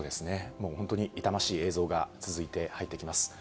もう本当に痛ましい映像が続いて入ってきます。